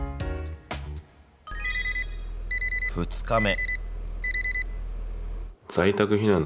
２日目。